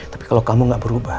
tapi kalau kamu gak berubah